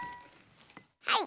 はい。